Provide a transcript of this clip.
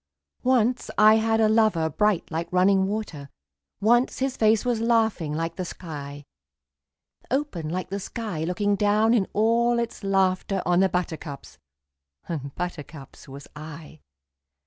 Once I had a lover bright like running water, Once his face was laughing like the sky; Open like the sky looking down in all its laughter On the buttercups and buttercups was I.